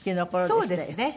そうですね。